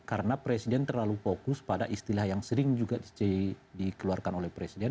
karena presiden terlalu fokus pada istilah yang sering juga dikeluarkan oleh presiden